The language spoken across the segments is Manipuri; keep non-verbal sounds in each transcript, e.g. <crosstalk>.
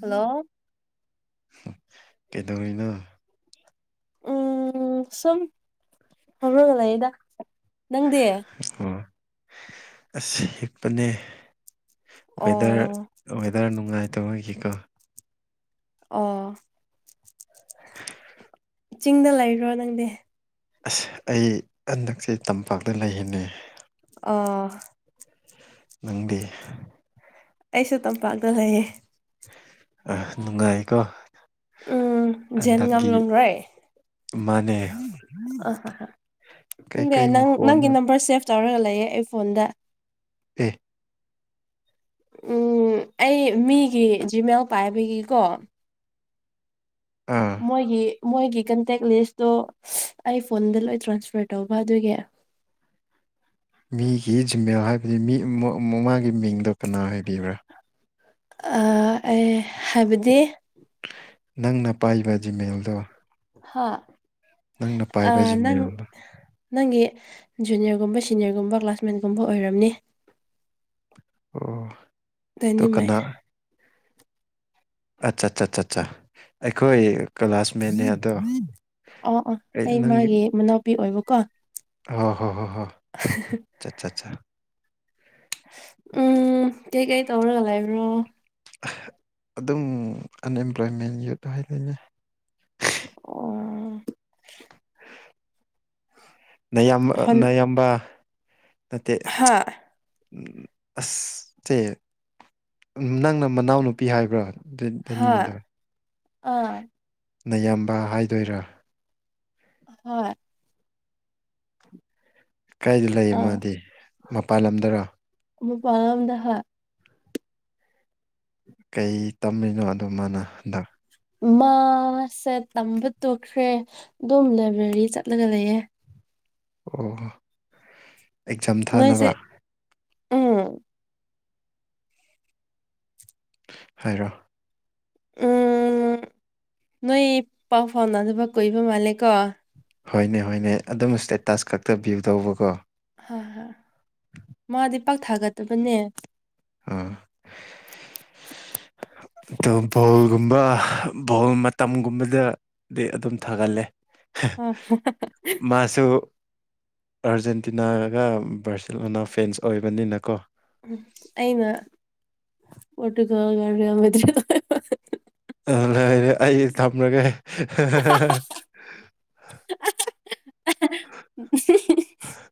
ꯍꯜꯂꯣ ꯀꯩꯗꯧꯔꯤꯅꯣ ꯎꯝ ꯁꯨꯝ ꯐꯝꯔꯒ ꯂꯩꯌꯦꯗ ꯅꯪꯗꯤ ꯑꯣ ꯑꯁ ꯍꯤꯛꯄꯅꯦ ꯑꯣ ꯋꯦꯗꯔ ꯋꯦꯗꯔ ꯅꯨꯡꯉꯥꯏ ꯇꯃꯥꯏꯒꯤ ꯀꯣ ꯑꯣ ꯆꯤꯡꯗ ꯂꯩꯕ꯭ꯔꯣ ꯅꯪꯗꯤ ꯑꯁ ꯑꯩ ꯍꯟꯗꯛꯁꯦ ꯇꯝꯄꯥꯛꯇ ꯂꯩꯌꯦꯅꯦ ꯑꯣ ꯅꯪꯗꯤ ꯑꯩꯁꯨ ꯇꯝꯄꯥꯛꯇꯥ ꯂꯩꯌꯦ ꯑ ꯅꯨꯡꯉꯥꯏꯀꯣ ꯎꯝ ꯖꯦꯟꯒꯝ ꯍꯟꯗꯛꯀꯤ ꯂꯣꯡꯔꯣꯏ ꯃꯥꯅꯦ ꯑ ꯈꯪꯗꯦ ꯀꯩꯀꯩ ꯅꯪ ꯅꯪꯒꯤ ꯃꯈꯣꯟꯅꯣ ꯅꯝꯕꯔ ꯁꯦꯚ ꯇꯧꯔꯒ ꯂꯩꯌꯦ ꯑꯩ ꯐꯣꯟꯗ ꯑꯦ ꯎꯝ ꯑꯩ ꯃꯤꯒꯤ ꯖꯤꯃꯦꯜ ꯄꯥꯏꯕꯒꯤꯀꯣ ꯑꯥ ꯃꯣꯏꯒꯤ ꯃꯣꯏꯒꯤ ꯀꯟꯇꯦꯛ ꯂꯤꯁꯇꯣ ꯑꯩ ꯐꯣꯟꯗ ꯂꯣꯏ ꯇ꯭ꯔꯥꯟꯁꯐꯔ ꯇꯧꯕ ꯑꯗꯨꯒꯤ <unintelligible> ꯃꯤꯒꯤ ꯖꯤꯃꯦꯜ ꯍꯥꯏꯕꯗꯤ ꯃꯤ ꯃꯥꯒꯤ ꯃꯤꯡꯗꯣ ꯀꯅꯥ ꯍꯥꯏꯕꯤꯕ꯭ꯔꯥ ꯥꯑꯥ ꯑꯦ ꯍꯥꯏꯕꯗꯤ ꯅꯪꯅ ꯄꯥꯏꯕ ꯖꯤꯃꯦꯜꯗꯣ ꯍꯥ ꯅꯪꯅ ꯄꯥꯏꯕ ꯑꯥ ꯅꯪ ꯖꯤꯃꯦꯜꯗꯣ ꯅꯪꯒꯤ ꯖꯨꯅꯤꯌꯔꯒꯨꯝꯕ ꯁꯤꯅꯤꯌꯔꯒꯨꯝꯕ ꯀ꯭ꯂꯥꯁꯃꯦꯠꯒꯨꯝꯕ ꯑꯣꯏꯔꯝꯅꯤ ꯑꯣ ꯇꯣ ꯗꯅꯤꯃ ꯀꯅꯥ ꯑꯠꯆꯥ ꯑꯠꯆꯥ ꯑ ꯑ ꯑꯩꯈꯣꯏ ꯀ꯭ꯂꯥꯁꯃꯦꯠꯅꯦ ꯑꯗꯣ ꯑꯣ ꯑꯣ ꯑꯩ ꯃꯥꯒꯤ ꯃꯅꯥꯎꯄꯤ ꯑꯣꯏꯕꯀꯣ ꯍ ꯍꯣ ꯍꯣ ꯍꯣ ꯆꯥ ꯆꯥ ꯆꯥ ꯎꯝ ꯀꯩ ꯀꯩ ꯇꯧꯔꯣꯂꯏꯕ꯭ꯔꯣ ꯑꯗꯨꯝ ꯑꯟꯑꯦꯝꯄ꯭ꯂꯣꯏꯃꯦꯟ ꯌꯨꯠ ꯍꯥꯏꯗꯣꯏꯅꯦ ꯑꯣ ꯅ ꯌꯥꯝ ꯍꯟ ꯅꯌꯥꯝꯝꯕ ꯅꯩ ꯍꯥ ꯑꯁ ꯁꯦ ꯅꯪꯅ ꯃꯅꯥꯎꯅꯨꯄꯤ ꯍꯥꯏꯕ꯭ꯔꯥ ꯍꯥꯥ ꯗꯦꯅꯤꯃꯤꯗꯣ ꯑꯥ ꯅꯌꯥꯝꯕ ꯍꯥꯏꯗꯣꯏꯔꯥ ꯍꯣꯏ ꯀꯥꯏꯗ ꯂꯩ ꯑꯥ ꯃꯥꯗꯤ ꯃꯄꯥꯜꯂꯝꯗꯔꯣ ꯃꯄꯥꯜ ꯂꯝꯗ ꯍꯣꯏ ꯀꯩ ꯇꯝꯃꯤꯅꯣ ꯑꯗꯨ ꯃꯥꯅ ꯍꯟꯗꯛ ꯃꯥꯁꯦ ꯇꯝꯕ ꯇꯣꯛꯈ꯭ꯔꯦ ꯑꯗꯨꯝ ꯂꯥꯏꯕ꯭ꯔꯦꯔꯤ ꯆꯠꯂꯒ ꯂꯩꯌꯦ ꯑꯣ ꯑꯦꯛꯖꯥꯝ ꯅꯣꯏꯁꯦ ꯊꯥꯅꯕ ꯎꯝ ꯍꯥꯏꯔꯣ ꯎꯝ ꯅꯣꯏ ꯄꯥꯎ ꯐꯥꯎꯅꯗꯕ ꯀꯨꯏꯕ ꯃꯥꯜꯂꯦ ꯀꯣ ꯍꯣꯏꯅꯦ ꯍꯣꯏꯅꯦ ꯑꯗꯨꯝ ꯏꯁꯇꯦꯇꯥꯁ ꯈꯛꯇꯕꯤꯌꯨꯗꯧꯕꯀꯣ ꯍꯣꯏ ꯍꯣꯏ ꯃꯥꯗꯤ ꯄꯥꯛ ꯊꯥꯒꯟꯗꯕꯅꯦ ꯑꯥ ꯑꯣ ꯕꯣꯜꯒꯨꯝꯕ ꯕꯣꯜ ꯃꯇꯝꯒꯨꯝꯕꯗꯗꯤ ꯑꯗꯨꯝ ꯊꯥꯒꯜꯂꯦ ꯃꯥꯁꯨ ꯑꯥꯔꯖꯦꯟꯇꯤꯅꯥꯒ ꯕꯥꯔꯖꯤꯂꯣꯅꯥ ꯐꯦꯟꯁ ꯑꯣꯏꯕꯅꯤꯅꯀꯣ ꯑꯩꯅ ꯄꯣꯔꯇꯨꯒꯜꯗ ꯑꯔꯦ ꯑꯩ ꯊꯝꯃꯒꯦ ꯍ ꯍ ꯍ ꯍ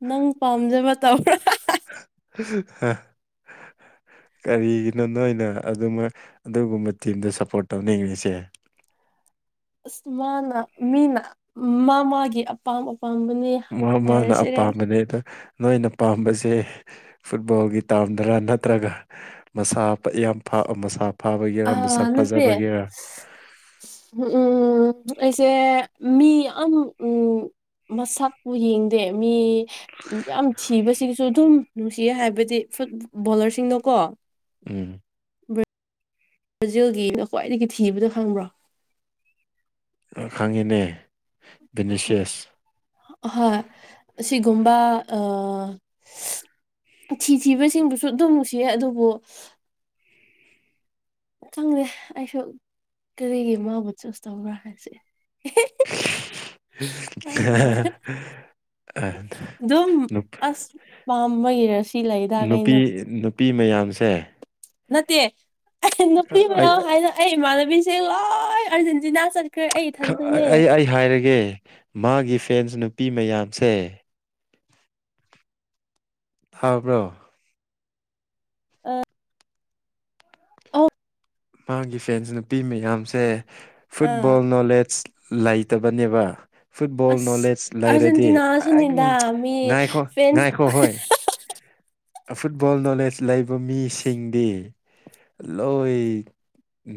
ꯅꯪ ꯄꯥꯝꯖꯕ ꯇꯧ꯭ꯔꯥ <unintelligible> <unintelligible> ꯍ ꯀꯔꯤꯒꯤꯅꯣ ꯅꯣꯏꯅ ꯑꯗꯨꯃꯛ ꯑꯗꯨꯒꯨꯝꯕ ꯇꯤꯝꯗ ꯁꯞꯄꯣꯔꯠ ꯇꯧꯅꯤꯡꯉꯔꯤꯁꯦ <inaudible> ꯑꯁ ꯃꯥꯅ ꯃꯤꯅ ꯃꯥ ꯃꯥꯒꯤ ꯑꯄꯥꯝꯕ ꯃꯥꯅ ꯑꯄꯥꯝꯕꯅꯦ ꯑꯗꯣ ꯅꯣꯏꯅ ꯄꯥꯝꯕꯁꯦ ꯐꯨꯠꯕꯣꯜꯒꯤ ꯇꯥꯝꯗ꯭ꯔꯥ ꯅꯠꯇ꯭ꯔꯒ ꯃꯁꯥ ꯠ ꯌꯥꯝ ꯃꯁꯥ ꯐꯥꯕꯒꯤꯦꯔꯥ ꯑꯥ ꯃꯁꯥꯛ ꯅꯠꯇꯦ ꯐꯖꯕꯒꯤꯦꯔꯥ ꯎꯝ ꯎꯝ ꯁꯦ ꯃꯤ ꯌꯥꯝ ꯃꯁꯛꯄꯨ ꯌꯦꯡꯗꯦ ꯃꯤ ꯌꯥꯝ ꯊꯤꯕꯁꯤꯁꯨ ꯑꯗꯨꯝ ꯅꯨꯡꯁꯤꯌꯦ ꯍꯥꯏꯕꯗꯤ ꯐꯨꯠ ꯕꯣꯂꯔꯁꯤꯡꯅꯀꯣ ꯎꯝ ꯕ꯭ꯔꯥꯖꯤꯜꯒꯤꯅ ꯈ꯭ꯋꯥꯏꯗꯒꯤ ꯊꯤꯕꯗ ꯈꯪꯕ꯭ꯔꯣ ꯈꯪꯉꯤꯅꯦ ꯕꯤꯅꯤꯁꯤꯌꯁ ꯍꯣꯏ ꯁꯤꯒꯨꯝꯕ ꯑ ꯊꯤꯊꯤꯕꯁꯤꯡꯕꯨꯁꯨ ꯑꯗꯨꯝ ꯅꯨꯡꯁꯤꯌꯦ ꯑꯗꯨꯕꯨ <inaudible> ꯆꯪꯗꯦ ꯑꯩꯁꯨ ꯀꯔꯤꯒꯤ ꯃꯥꯕꯨ ꯆꯨꯁ ꯇꯧꯕ꯭ꯔꯥ ꯍꯥꯏꯁꯦ ꯑꯦ <inaudible> ꯑꯗꯨꯝ ꯑꯁ ꯄꯥꯝꯕ ꯏꯔꯁꯤ ꯂꯩꯗꯥ ꯅꯨꯄꯤ ꯀꯩꯅ ꯅꯨꯄꯤ ꯃꯌꯥꯝꯁꯦ ꯅꯠꯇꯦ ꯑꯩ ꯅꯨꯄꯤ ꯑꯩ ꯃꯌꯥꯝ ꯍꯥꯏꯅ ꯑꯩ ꯏꯃꯥꯟꯅꯕꯤꯁꯦ ꯂꯣꯏ ꯑꯥꯔꯖꯦꯟꯇꯤꯅꯥ ꯆꯠꯈ꯭ꯔꯦ ꯑꯩ ꯏꯊꯟꯇꯅꯦ ꯑꯩ ꯑꯩ ꯍꯥꯏꯔꯒꯦ ꯃꯥꯒꯤ ꯐꯦꯟꯁ ꯅꯨꯄꯤ ꯃꯌꯥꯝꯁꯦ ꯊꯥꯕ꯭ꯔꯣ ꯑ <unintelligible> ꯃꯥꯒꯤ ꯐꯦꯟꯁ ꯅꯨꯄꯤ ꯃꯌꯥꯝꯁꯦ ꯑꯥ ꯐꯨꯠꯕꯣꯜ ꯅꯣꯂꯦꯖ ꯂꯩꯇꯕꯅꯦꯕ ꯐꯨꯠꯕꯣꯜ ꯑꯁ ꯅꯣꯂꯦꯖ ꯂꯩꯔꯗꯤꯝ ꯑꯥꯔꯖꯦꯟꯇꯤꯅꯥꯁꯨꯅꯤꯗ ꯃꯤ ꯉꯥꯏꯈꯣ ꯐꯦꯟꯁ ꯉꯥꯏꯈꯣ ꯍꯣꯏ ꯐꯨꯠꯕꯣꯜ ꯅꯣꯂꯦꯖ ꯂꯩꯕ ꯃꯤꯁꯤꯡꯗꯤ ꯂꯣꯏ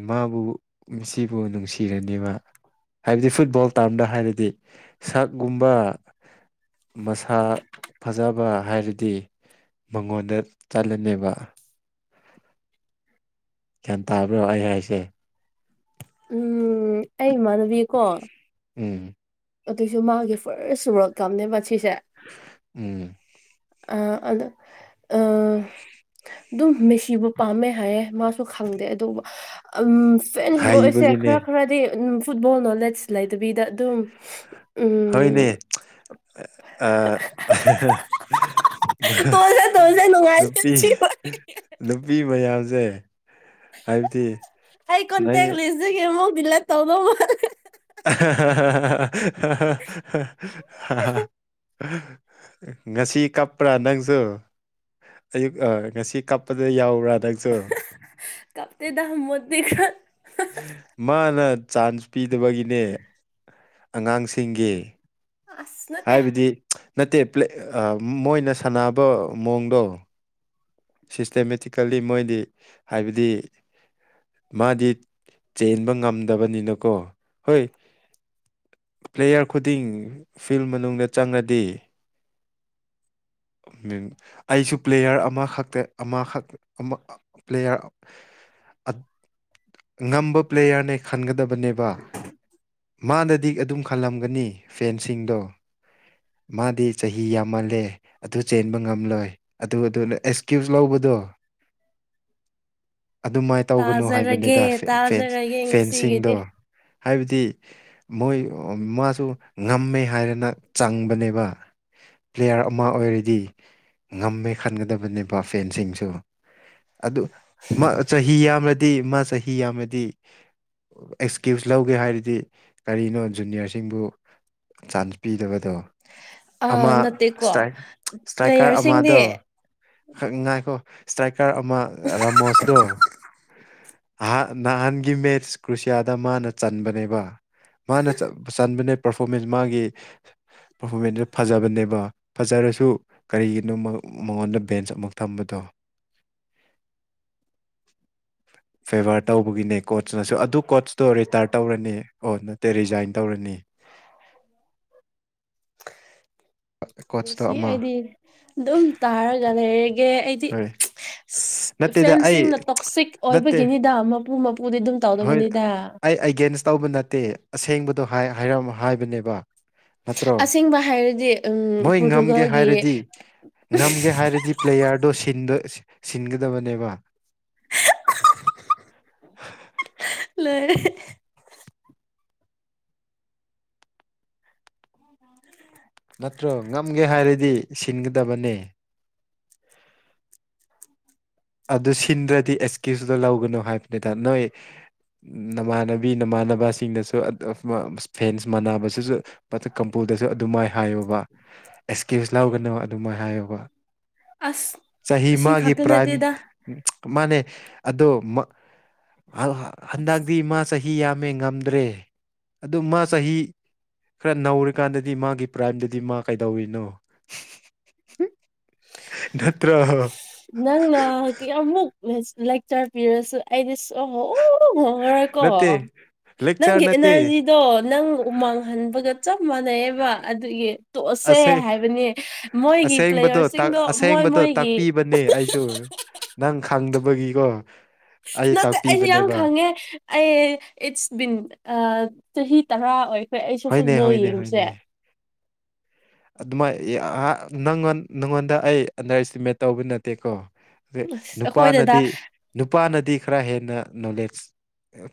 ꯃꯥꯕꯨ ꯃꯁꯤꯕꯨ ꯅꯨꯡꯁꯤꯔꯅꯦꯕ ꯍꯥꯏꯕꯗꯤ ꯐꯨꯠꯕꯣꯜ ꯇꯥꯝꯗ ꯍꯥꯏꯔꯗꯤ ꯁꯛꯒꯨꯝꯕ ꯃꯁꯥ ꯐꯖꯕ ꯍꯥꯏꯔꯗꯤ ꯃꯉꯣꯟꯗ ꯆꯠꯂꯅꯦꯕ ꯒ꯭ꯌꯥꯟ ꯇꯥꯕ꯭ꯔꯣ ꯑꯩ ꯍꯥꯏꯁꯦ ꯎꯝ ꯑꯩ ꯏꯃꯥꯟꯅꯕꯤꯀꯣ ꯎꯝ ꯑꯗꯨꯏꯁꯨ ꯃꯥꯒꯤ ꯐꯥꯔꯁ ꯔꯜꯀꯅꯦꯕ ꯁꯤꯁꯦ ꯎꯝ ꯑ ꯑꯗꯨꯗ <inaudible> ꯑꯗꯨꯝ ꯃꯦꯁꯤꯕꯨ ꯄꯥꯝꯃꯦ ꯍꯥꯏꯌꯦꯦ ꯃꯥꯁꯨ ꯈꯪꯗꯦ ꯑꯗꯨꯕꯨ ꯐꯦꯟꯁ ꯂꯣꯏꯁꯦ ꯍꯩꯕꯒꯤꯅꯦ ꯈꯔ ꯈꯔꯗꯤꯝ ꯐꯨꯠꯕꯣꯜ ꯅꯣꯂꯦꯖ ꯂꯩꯗꯕꯤꯗ ꯑꯗꯨꯝ ꯍꯅꯦ ꯎꯝ ꯑ ꯇꯣꯛꯑꯁꯦ ꯇꯣꯛꯑꯁꯦ ꯅꯨꯡꯉꯥꯏꯇꯦ ꯅꯨꯄꯤ ꯁꯤ ꯅꯨꯄꯤ ꯃꯌꯥꯝꯁꯦ ꯍꯥꯏꯕꯗꯤ ꯑꯩ ꯅꯩ ꯀꯣꯟꯇꯦꯛ ꯂꯤꯁ ꯒ ꯌꯦꯃ ꯂ ꯇꯧꯕꯕ <unintelligible> ꯉꯁꯤ ꯀꯞꯄ꯭ꯔꯥ ꯅꯪꯁꯨ ꯑꯌꯨꯛ ꯉꯁꯤ ꯀꯞ ꯐꯅ ꯌꯥꯎꯕ꯭ꯔꯥ ꯅꯪꯁꯨ ꯀꯞꯇꯦꯗ ꯃꯨꯠꯇꯤ ꯈꯔ ꯃꯥ ꯅ ꯆꯥꯟꯁ ꯄꯤꯗꯕꯒꯤꯅꯦ ꯑꯉꯥꯡꯁꯤꯡꯒꯤ ꯑꯁ ꯅꯠꯇꯦ ꯍꯥꯏꯕꯗꯤ ꯅꯠꯇꯦ ꯃꯣꯏꯅ ꯁꯥꯟꯅꯕ ꯃꯑꯣꯡꯗꯣ ꯁꯤꯁꯇꯦꯃꯦꯇꯤꯀꯦꯜꯂꯤ ꯃꯣꯏꯗꯤ ꯍꯥꯏꯕꯗꯤ ꯃꯥꯗꯤ ꯆꯦꯟꯕ ꯉꯝꯗꯕꯅꯤꯅꯀꯣ ꯍꯣꯏ ꯄ꯭ꯂꯦꯌꯔ ꯈꯨꯗꯤꯡ ꯐꯤꯜ ꯃꯅꯨꯡꯗ ꯆꯪꯂꯗꯤ ꯃꯤꯟ ꯑꯩꯁꯨ ꯄ꯭ꯂꯦꯌꯥꯔ ꯑꯃꯈꯛꯇ ꯑꯃꯈꯛ ꯄ꯭ꯂꯦꯌꯥꯔ ꯉꯝꯕ ꯄ꯭ꯂꯦꯌꯥꯔꯅꯦ ꯈꯟꯒꯗꯕꯅꯦꯕ ꯃꯥꯗꯗꯤ ꯑꯗꯨꯝ ꯈꯜꯂꯝꯒꯅꯤ ꯐꯦꯟꯁꯤꯡꯗꯣ ꯃꯥꯗꯤ ꯆꯍꯤ ꯌꯥꯝꯃꯜꯂꯦ ꯑꯗꯨ ꯆꯦꯟꯕ ꯉꯝꯂꯣꯏ ꯑꯗꯨ ꯑꯗꯨꯅ ꯑꯦꯛꯁꯀ꯭ꯌꯨꯁ ꯂꯧꯕꯗꯣ ꯑꯗꯨꯃꯥꯏꯅ ꯇꯧꯒꯅꯨ ꯇꯥꯖꯔꯒꯦ ꯍꯥꯏꯕꯅꯤꯗ ꯐ ꯇꯥꯖꯔꯒꯦ ꯐꯦꯟꯁꯤꯡꯗꯣ ꯉꯁꯤꯒꯤꯗꯤ ꯍꯥꯏꯕꯗꯤ ꯃꯣꯏ ꯃꯥꯁꯨ ꯉꯝꯃꯦ ꯍꯥꯏꯔꯅ ꯆꯪꯕꯅꯦꯕ ꯄ꯭ꯂꯦꯌꯥꯔ ꯑꯃ ꯑꯣꯏꯔꯗꯤ ꯉꯝꯃꯦ ꯈꯟꯒꯗꯕꯅꯦꯕ ꯐꯦꯟꯁꯤꯡꯁꯨ ꯑꯗꯨ ꯆꯍꯤ ꯌꯥꯝꯂꯗꯤ ꯃꯥ ꯆꯍꯤ ꯌꯥꯝꯂꯗꯤ ꯑꯦꯛꯁꯀ꯭ꯌꯨꯁ ꯂꯧꯒꯦ ꯍꯥꯏꯔꯗꯤ ꯀꯔꯤꯅꯣ ꯖꯨꯅꯤꯌꯔꯁꯤꯡꯕꯨ ꯆꯥꯟꯁ ꯄꯤꯗꯕ ꯑꯗꯣ ꯑꯥ ꯑꯃ ꯅꯠꯇꯦꯀꯣ ꯏꯁꯇ꯭ꯔꯥꯏꯀꯔ ꯄ꯭ꯂꯦꯌꯔꯁꯤꯡꯗꯤ ꯑꯃꯗꯣ ꯈꯛ ꯉꯥꯏꯈꯣ ꯏꯁꯇ꯭ꯔꯥꯏꯀꯔ ꯑꯃ ꯔꯥꯃꯣꯁꯗꯣ ꯍ ꯅꯍꯥꯟꯒꯤ ꯃꯦꯠꯁ ꯀ꯭ꯔꯨꯁꯤꯌꯥꯗ ꯃꯥꯅ ꯆꯟꯕꯅꯦꯕ ꯃꯥꯅ ꯆꯟꯕꯅꯦ ꯄꯔꯐꯣꯔꯃꯦꯟꯁ ꯃꯥꯒꯤ ꯄꯔꯐꯣꯔꯃꯦꯟꯁꯇ ꯐꯖꯕꯅꯦꯕ ꯐꯖꯔꯁꯨ ꯀꯔꯤꯒꯤꯅꯣ ꯃꯉꯣꯟꯗ ꯕꯦꯟꯁ ꯑꯃꯨ ꯊꯝꯕꯗꯣ ꯐꯦꯚꯔ ꯇꯧꯕꯒꯤꯅꯦ ꯀꯣꯆꯅꯁꯨ ꯑꯗꯨ ꯀꯣꯆꯇꯣ ꯔꯤꯇꯥꯔ ꯇꯧꯔꯅꯤ ꯑꯣ ꯅꯠꯇꯦ ꯔꯤꯖꯥꯏꯟ ꯇꯧꯔꯅꯤ <inaudible> ꯀꯣꯆꯇꯣ ꯁꯤ ꯑꯃ ꯑꯩꯗꯤ ꯑꯗꯨꯝ ꯇꯥꯔꯒ ꯂꯩꯔꯦ ꯑꯩꯗꯤ ꯍꯣꯏ ꯅꯠꯇꯦꯗ ꯑꯩ ꯐꯦꯟꯁꯤꯡꯅ ꯇꯣꯛꯁꯤꯛ ꯅꯠꯇꯦ ꯑꯣꯏꯕꯒꯤꯅꯤꯗ ꯃꯄꯨ ꯃꯄ ꯍꯣꯏ ꯑꯩ ꯑꯦꯒꯦꯟꯁ ꯇꯧꯕ ꯅꯠꯇꯦ ꯑꯁꯦꯡꯕꯗꯣꯔ ꯍꯥꯏꯕꯅꯦꯕ ꯅꯠꯇ꯭ꯔꯣ ꯑꯁꯦꯡꯕ ꯍꯥꯏꯔꯗꯤ ꯎꯝ ꯃꯣꯏ ꯉꯝꯒꯦ ꯄꯣꯔꯇꯨꯒꯜꯒꯤ ꯍꯥꯏꯔꯗꯤ ꯉꯝꯒꯦ ꯍꯥꯏꯔꯗꯤ ꯄ꯭ꯂꯦꯌꯥꯔꯗꯣ ꯁꯤ ꯁꯤꯟ ꯁꯤꯟꯒꯗꯕꯅꯦꯕ ꯂꯣꯏ ꯅꯠꯇ꯭ꯔꯣ ꯉꯝꯒꯦ ꯍꯥꯏꯔꯗꯤ ꯁꯤꯟꯒꯗꯕꯅꯦ ꯑꯗꯨ ꯁꯤꯟꯗ꯭ꯔꯗꯤ ꯑꯦꯛꯁꯀ꯭ꯌꯨꯁꯇꯣ ꯂꯧꯒꯅꯨ ꯍꯥꯏꯕꯅꯤꯗ ꯅꯣꯏ ꯅꯃꯥꯟꯅꯕꯤ ꯅꯃꯥꯟꯅꯕꯁꯤꯡꯅꯁꯨ ꯐꯦꯟꯁ ꯃꯥꯟꯅꯕꯁꯤꯁꯨꯊ ꯀꯝꯄꯣ ꯗꯁꯨ ꯑꯗꯨꯃꯥꯏ ꯍꯥꯏꯌꯣꯕ ꯑꯦꯛꯁꯀ꯭ꯌꯨꯁ ꯂꯧꯒꯅꯕ ꯑꯗꯨꯃꯥꯏ ꯍꯥꯏꯌꯣꯕ ꯑꯁ ꯆꯍꯤ ꯑꯁꯤ ꯃꯒꯤ ꯈꯛꯇ ꯄ꯭ꯔꯥꯏꯝ ꯅꯠꯇꯦꯗ ꯎ ꯃꯥꯅꯦ ꯑꯗꯣ ꯑꯁ ꯍꯟꯗꯛꯗꯤ ꯃꯥ ꯆꯍꯤ ꯌꯥꯝꯃꯦ ꯉꯝꯗ꯭ꯔꯦ ꯑꯗꯨ ꯃꯥ ꯆꯍꯤ ꯈꯔ ꯅꯧꯔꯤꯀꯥꯟꯗꯗꯤ ꯃꯥꯒꯤ ꯄ꯭ꯔꯥꯏꯝꯗꯗꯤ ꯃꯥ ꯀꯩꯗꯧꯔꯤꯅꯣ ꯅꯠꯇ꯭ꯔ ꯅꯪꯅ ꯀꯌꯥꯃꯨꯛ ꯂꯥꯏꯆꯔꯒꯦ ꯑꯩꯗꯤ ꯑꯣ ꯑꯣ ꯃꯔ ꯀꯣ ꯅꯠꯇꯦ ꯂꯦꯛꯆꯔ ꯅꯪꯒꯤ ꯅꯠꯇꯦ ꯑꯦꯅꯔꯖꯤꯗꯣ ꯅꯪ ꯎꯃꯥꯡꯍꯟꯕꯒ ꯃꯥꯟꯅꯩꯌꯦꯕ ꯑꯗꯨꯒꯤ ꯇꯣꯛꯑꯁꯦ ꯑꯁꯦ ꯍꯥꯏꯕꯅꯤ ꯃꯣꯏꯒꯤ ꯑꯁꯦꯡꯕꯗꯣ ꯇꯥꯛ ꯄ꯭ꯂꯦꯌꯔꯁꯤꯡꯗꯣ ꯃꯣꯏ ꯃꯣꯏ ꯑꯁꯦꯡꯕꯗꯣ ꯇꯥꯛꯄꯤꯕꯅꯦ ꯑꯩꯁꯨ ꯅꯪ ꯈꯪꯗꯕꯒꯤꯀꯣ ꯑꯩ ꯅꯠꯇꯦ ꯑꯩꯅ ꯌꯥꯝ ꯇꯥꯛꯄꯤꯕꯅꯦꯕ ꯈꯪꯉꯦ ꯑꯩ ꯏꯠꯁ ꯕꯤꯟ ꯇꯔꯥ ꯑꯣꯏꯈꯔꯦ ꯑꯩꯁꯨ ꯍꯣꯏꯅꯦ ꯐꯨꯠꯕꯣꯜ ꯍꯣꯏꯅꯦ ꯌꯦꯡꯕꯁꯦ ꯍꯣꯏꯅꯦ ꯑꯗꯨꯃꯥꯏ ꯅꯪꯉꯣꯟ ꯅꯪꯉꯣꯟꯗ ꯑꯩ ꯑꯟꯗꯔ ꯑꯦꯁꯇꯤꯃꯦꯠ ꯇꯧꯕ ꯅꯠꯇꯦꯀꯣ ꯑꯁ ꯑꯩꯈꯣꯏꯗꯗ ꯅꯨꯄꯥꯅꯗꯤ ꯅꯨꯄꯥꯅꯗꯤ ꯈꯔ ꯍꯦꯟꯅ ꯅꯣꯂꯦꯖ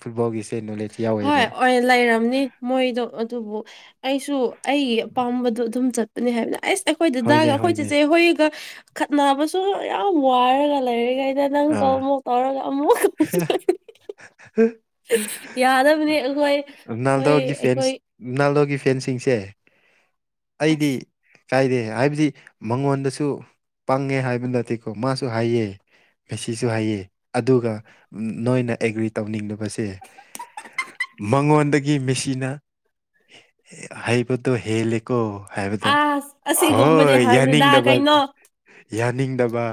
ꯐꯨꯠꯕꯣꯜꯒꯤꯁꯦ ꯅꯣꯂꯦꯖ ꯌꯥꯎꯋꯦꯕ ꯍꯣꯏ ꯂꯩꯔꯝꯅꯤ ꯃꯣꯏꯗꯣ ꯑꯗꯨꯕꯨ ꯑꯩꯁꯨ ꯁꯨ ꯑꯩꯒꯤ ꯑꯄꯥꯝꯕꯗꯣ ꯑꯗꯨꯝ ꯆꯠꯄꯅꯦ ꯍꯥꯏꯕꯅ ꯑꯁ ꯑꯩꯈꯣꯏ ꯗꯗꯥꯒ ꯍꯣꯏꯅꯦ ꯑꯩꯈꯣꯏ ꯍꯣꯏꯅꯦ ꯆꯦꯆꯦ ꯍꯣꯏꯒ ꯈꯠꯅꯕꯁꯨ ꯌꯥꯝ ꯋꯥꯔꯒ ꯂꯩꯥꯏꯔꯤꯉꯥꯏ ꯗꯗꯪ ꯀꯣ ꯑꯥ ꯃ ꯀꯔ ꯀꯃꯨ <inaudible> ꯌꯥꯗꯕꯅꯤ ꯑꯩꯈꯣꯏ ꯑꯩꯈꯣꯏ ꯔꯣꯅꯥꯜꯗꯣꯒꯤ ꯐꯦꯟꯁ ꯑꯩꯈꯣꯏ ꯔꯣꯅꯥꯜꯗꯣꯒꯤ ꯐꯦꯟꯁꯤꯡꯁꯦ ꯑꯩꯗꯤ ꯑꯁ ꯀꯥꯏꯔꯦ ꯍꯥꯏꯕꯗꯤ ꯃꯉꯣꯟꯗꯁꯨ ꯄꯪꯉꯦ ꯍꯥꯏꯕ ꯅꯠꯇꯦꯀꯣ ꯃꯥꯁꯨ ꯍꯥꯏꯌꯦ ꯃꯁꯤꯁꯨ ꯍꯥꯏꯌꯦ ꯑꯗꯨꯒ ꯅꯣꯏꯅ ꯑꯦꯒ꯭ꯔꯤ ꯇꯧꯅꯤꯡꯂꯤꯕꯁꯦ ꯃꯉꯣꯟꯗꯒꯤ ꯃꯦꯁꯤꯅ ꯍꯩꯕꯗꯣ ꯍꯦꯜꯂꯦꯀꯣ ꯍꯥꯏꯕꯗ ꯑꯁ ꯑꯁꯤꯒꯨꯝꯕꯗꯤ ꯍꯣꯏ ꯍꯥꯏꯅꯨꯗ ꯌꯥꯅꯤꯡꯗꯕ ꯀꯩꯅꯣ ꯌꯥꯅꯤꯡꯗꯕ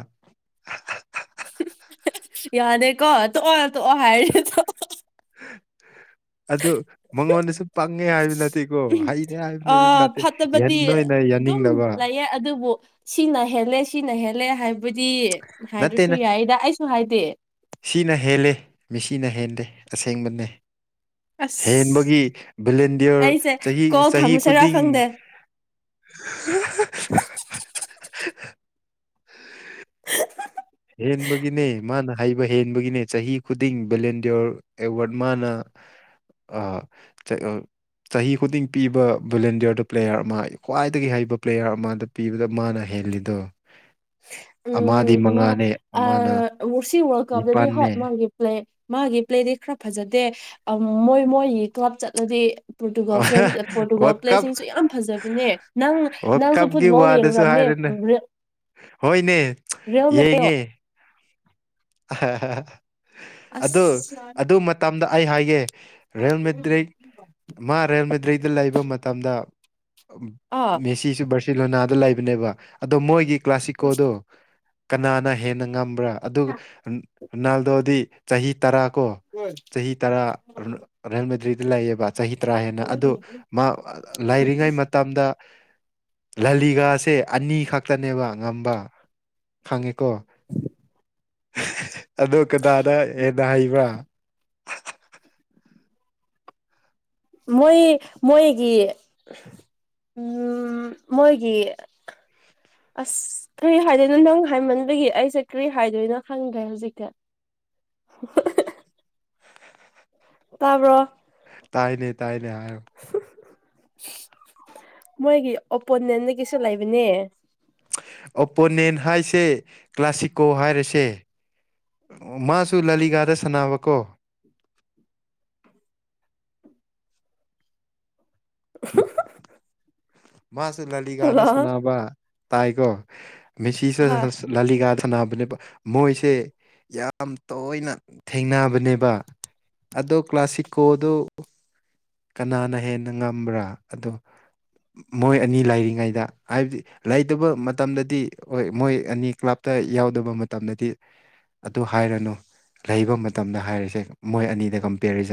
ꯌꯥꯔꯦꯀꯣ ꯇꯣꯛꯑꯣ ꯇꯣꯛꯑꯣ ꯍꯥꯏꯔꯦ ꯇꯣꯛꯑꯣ ꯑꯗꯨ ꯃꯉꯣꯟꯗꯁꯨ ꯄꯪꯉꯦ ꯍꯥꯏꯕ ꯅꯠꯇꯦꯀꯣ ꯇꯣꯛꯑꯣ ꯍꯩꯔꯦ ꯑ ꯍꯥꯏꯕꯅꯁꯨ ꯅꯠꯇꯦ ꯐꯠꯇꯕꯗꯤ ꯌꯥꯅꯤꯡꯗꯔꯣ ꯑꯩꯅꯥ ꯍꯥꯏꯁꯤ ꯑꯗꯨꯝ ꯂꯩꯌꯦ ꯑꯗꯨꯕꯨ ꯁꯤꯅ ꯍꯦꯜꯂꯦ ꯁꯤꯅ ꯍꯦꯜ ꯅꯠꯇꯦꯅ ꯌꯥꯏꯗ ꯑꯩꯁꯨ ꯍꯥꯏꯗꯦ ꯁꯤꯅ ꯍꯦꯜꯂꯦ ꯃꯤ ꯀꯤꯅ ꯍꯦꯟꯗꯦ ꯑꯁꯦꯡꯕꯅꯦ ꯑꯁ ꯍꯦꯟꯕꯒꯤ ꯚꯂꯦꯟꯗꯤꯌꯔ ꯑꯩꯁꯦ ꯆꯍꯤ ꯀꯣꯜ ꯆꯍꯤ ꯊꯝꯃꯁꯤꯔꯥ ꯈꯨꯗꯤꯡ ꯈꯪꯗꯦ <unintelligible> ꯍꯦꯟꯕꯒꯤꯅꯦ ꯃꯥꯅ ꯍꯩꯕ ꯍꯦꯟꯕꯒꯤꯅꯦ ꯆꯍꯤ ꯈꯨꯗꯤꯡ ꯚꯦꯂꯦꯟꯗꯤꯌꯣꯔ ꯑꯦꯋꯥꯔꯗ ꯃꯥꯅ ꯑ ꯆ <inaudible> ꯆꯍꯤ ꯈꯨꯗꯤꯡ ꯄꯤꯕ ꯚꯂꯦꯟꯗꯤꯌꯔꯗ ꯄ꯭ꯂꯦꯌꯥꯔ ꯑꯃ ꯈ꯭ꯋꯥꯏꯗꯒꯤ ꯍꯩꯕ ꯄ꯭ꯂꯦꯌꯥꯔ ꯑꯃꯗ ꯄꯤꯕꯗ ꯃꯥꯅ ꯍꯩ ꯍꯦꯜꯂꯤꯗꯣ ꯑꯃꯗꯤ ꯃꯉꯥ ꯑꯁꯤ ꯋꯥꯔꯜ ꯀꯞꯗꯗꯤ ꯍꯣꯏ ꯅꯤꯄꯥꯜꯅꯦ ꯃꯥꯒꯤ ꯄ꯭ꯂꯦ ꯃꯥꯒꯤ ꯄ꯭ꯂꯦꯗꯤ ꯈꯔ ꯐꯖꯗꯦ ꯃꯣꯏ ꯃꯣꯏꯒꯤ ꯀ꯭ꯂꯕ ꯆꯠꯂꯗꯤ Portugal fans Portugal world cup ꯄ꯭ꯂꯦꯁꯤꯡꯁꯨ ꯌꯥꯝ ꯐꯖꯕꯅꯦ ꯅꯪ ꯋꯥꯔꯜ ꯅꯪꯁꯨ ꯀꯞꯀꯤ ꯐꯨꯠꯕꯣꯜ ꯋꯥꯗꯁꯨ ꯌꯦꯡꯔꯝꯅꯦ ꯍꯥꯏꯔꯅꯦ ꯎ ꯍꯣꯏꯅꯦ ꯔꯣ ꯃꯣ ꯌꯦꯡꯉꯦ <inaudible> ꯑꯗꯨ ꯑꯁ ꯑꯗꯨ ꯃꯇꯝꯗ ꯑꯩ ꯍꯥꯏꯒꯦ ꯔꯌꯦꯜ ꯃꯦꯗ꯭ꯔꯤꯛ ꯃꯥ ꯔꯦꯜ ꯃꯗ꯭ꯔꯔꯤꯗ ꯂꯩꯕ ꯃꯇꯝꯗ ꯑꯥ ꯃꯦꯁꯤꯁꯨ ꯕꯔꯁꯤ ꯁꯤꯔꯤꯂꯣꯅꯥꯗ ꯂꯩꯕꯅꯦꯕ ꯑꯗꯣ ꯃꯣꯏꯒꯤ ꯀ꯭ꯂꯥꯁꯤꯀꯣꯗꯣ ꯀꯅꯥꯅ ꯍꯦꯟꯅ ꯉ ꯭ꯔ ꯑꯗꯨꯒꯅꯥꯜꯗꯣꯗꯤ ꯆꯍꯤ ꯇꯔꯥ ꯀꯣ ꯆꯍꯤ ꯇꯔꯥ ꯔꯦꯜꯕꯗ꯭ꯔꯤꯗ ꯂꯩꯌꯦꯕ ꯆꯍꯤ ꯇꯔꯥ ꯍꯦꯟꯅ ꯑꯗꯨ ꯃꯥ ꯂꯩꯥꯏꯔꯤꯉꯩ ꯃꯇꯝꯗ ꯂꯂꯤꯒꯥꯁꯦ ꯑꯅꯤ ꯈꯛꯇꯅꯦꯕ ꯉꯝꯕ ꯈꯪꯉꯤ ꯀꯣ ꯑꯗꯣ ꯀꯅꯥꯅ ꯍꯦꯟꯅ ꯍꯩꯕ꯭ꯔꯥ ꯃꯣꯏ ꯃꯣꯏꯒꯤ ꯎꯝ ꯃꯣꯏꯒꯤ <unintelligible> ꯑꯁ ꯀꯔꯤ ꯍꯥꯏꯗꯣꯏ ꯅꯊꯪ ꯍꯥꯏꯃꯟꯕꯒꯤ ꯑꯩꯁꯦ ꯀꯔꯤ ꯍꯥꯏꯗꯣꯏꯅꯣ ꯈꯪꯗꯦ ꯍꯧꯖꯤꯛꯗꯤ <inaudible> ꯇꯥꯕ꯭ꯔꯣ ꯇꯥꯏꯅꯦ ꯇꯥꯏꯅꯦ ꯍꯥꯏꯌꯣ ꯃꯣꯏꯒꯤ ꯑꯣꯄꯣꯅꯟꯅ ꯀꯩꯁꯨ ꯂꯩꯕꯅꯦ ꯑꯣꯄꯣꯅꯦꯟ ꯍꯥꯏꯁꯦ ꯀ꯭ꯂꯥꯁꯤꯀꯣ ꯍꯥꯏꯔꯁꯦ ꯃꯥꯁꯨ ꯂꯥꯂꯤꯒꯥꯗ ꯁꯅꯕꯀꯣ <inaudible> <inaudible> ꯃꯥꯁꯦ ꯂꯂꯤꯀꯥꯗ ꯍꯜꯂꯣ ꯁꯥꯟꯅꯕ ꯇꯥꯏꯀꯣ ꯃꯤꯦꯁꯤꯁꯨ ꯍꯣꯏ ꯂꯂꯤꯀꯥꯗ ꯁꯅꯕꯅꯦꯕ ꯃꯣꯏꯁꯦ ꯌꯥꯝ ꯇꯣꯏꯅ ꯊꯦꯡꯅꯕꯅꯦꯕ ꯑꯗꯣ ꯀ꯭ꯂꯁꯤꯛꯣ ꯑꯗꯨ ꯀꯅꯥꯅ ꯍꯦꯟꯅ ꯉꯝꯕ꯭ꯔꯥ ꯑꯗꯣ ꯃꯣꯏ ꯑꯅꯤ ꯂꯩꯥꯏꯔꯤꯉꯩꯗ ꯍꯥꯏꯕꯗꯤ ꯂꯩꯇꯕ ꯃꯇꯝꯗꯗꯤ ꯍꯣꯏ ꯃꯣꯏ ꯑꯅꯤ ꯀ꯭ꯂꯞꯇ ꯌꯥꯎꯗꯕ ꯃꯇꯝꯗꯗꯤ ꯑꯗꯨ ꯍꯥꯏꯔꯅꯨ ꯂꯩꯕ ꯃꯇꯝꯗ ꯍꯥꯏꯔꯤꯁꯦ ꯃꯣꯏ ꯑꯅꯤꯗ ꯀꯝꯄꯦꯔꯤꯖꯟ